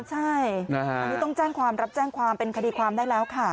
ใช่อันนี้ต้องแจ้งความรับแจ้งความเป็นคดีความได้แล้วค่ะ